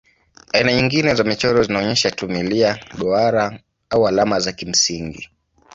Aina nyingine za michoro zinaonyesha tu milia, duara au alama za kimsingi.